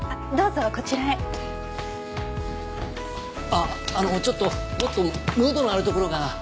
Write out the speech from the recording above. あっあのちょっともっとムードのあるところが。